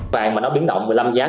vàng mà nó biến động một mươi năm giá